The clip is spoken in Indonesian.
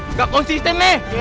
nggak konsisten nih